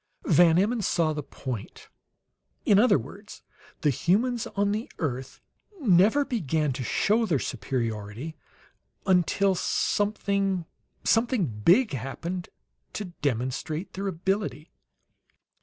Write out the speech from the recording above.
Van Emmon saw the point. "In other words, the humans on the earth never began to show their superiority until something something big, happened to demonstrate their ability!"